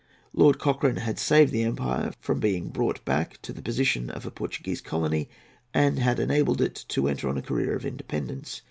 Lord Cochrane had saved that empire from being brought back to the position of a Portuguese colony, and had enabled it to enter on a career of independence.